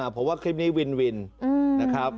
ผมว่าคลิปนี้วินนะครับ